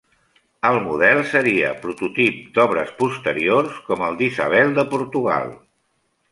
El model seria prototip d'obres posteriors com el d'Isabel de Portugal.